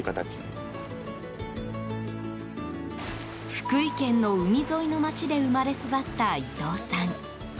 福井県の海沿いの町で生まれ育った伊藤さん。